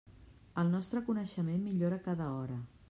El nostre coneixement millora a cada hora.